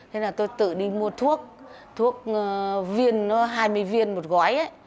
thế là tôi tự đi mua thuốc thuốc viên hai mươi viên một gói ấy